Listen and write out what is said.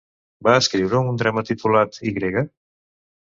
Va escriure un drama titulat Ὑ?